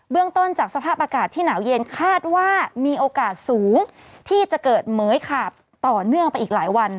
เรื่องต้นจากสภาพอากาศที่หนาวเย็นคาดว่ามีโอกาสสูงที่จะเกิดเหมือยขาบต่อเนื่องไปอีกหลายวัน